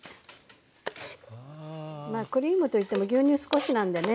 まあクリームといっても牛乳少しなんでね。